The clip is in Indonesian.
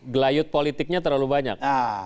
gelayut politiknya terlalu banyak